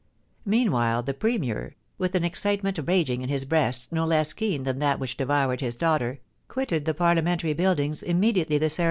Meanwhile the Premier, with an excitement raging in his breast no less keen than that which devoured his daughter, quitted the Parliamentary Buildings immediately the cere 390 POLICY AND PASSION.